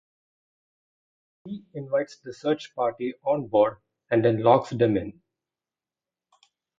He invites the search party on board and then locks them in.